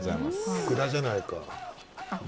福田じゃないか。